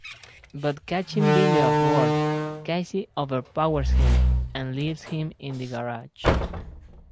But catching Billy off guard, Casey overpowers him, and leaves him in the garage.